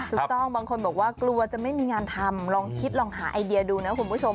ถูกต้องบางคนบอกว่ากลัวจะไม่มีงานทำลองคิดลองหาไอเดียดูนะคุณผู้ชม